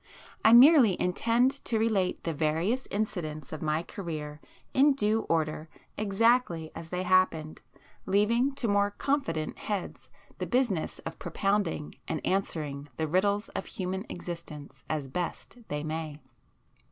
I merely intend to relate the various incidents of my career in due order exactly as they happened,—leaving to more confident heads the business of propounding and answering the riddles of human existence as best they may.